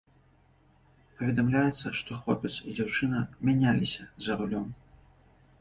Паведамляецца, што хлопец і дзяўчына мяняліся за рулём.